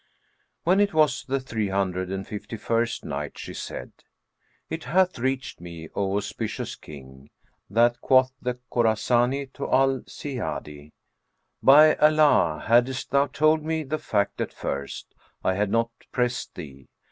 When it was the Three Hundred and Fifty first Night, She said, It hath reached me, O auspicious King, that quoth the Khorasani to Al Ziyadi, "'By Allah, haddest thou told me the fact at first, I had not pressed thee!